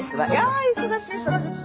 あ忙しい忙しい。